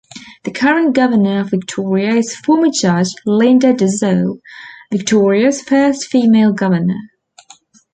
The current Governor of Victoria is former judge Linda Dessau, Victoria's first female governor.